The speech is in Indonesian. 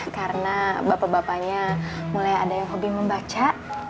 karena bapak bapaknya mulai ada yang hobi membaca